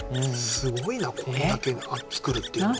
すごいなこんだけ作るっていうのは。